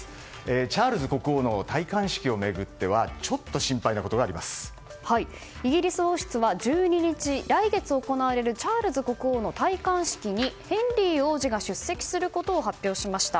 チャールズ国王の戴冠式を巡ってイギリス王室は１２日来月行われるチャールズ国王の戴冠式にヘンリー王子が出席することを発表しました。